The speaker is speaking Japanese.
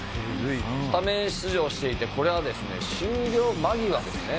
スタメン出場していてこれはですね終了間際ですね。